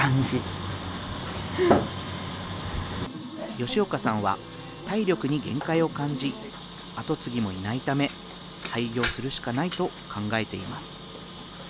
吉岡さんは体力に限界を感じ、後継ぎもいないため、廃業するしかないと考えています。